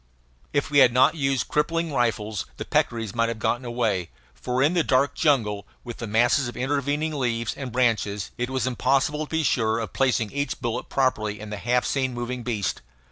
If we had not used crippling rifles the peccaries might have gotten away, for in the dark jungle, with the masses of intervening leaves and branches, it was impossible to be sure of placing each bullet properly in the half seen moving beast.